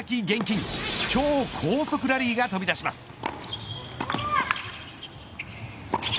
厳禁超高速ラリーが飛び出します。